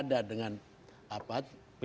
ada raisinnya itu permainan ini